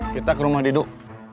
kita ke rumah diduk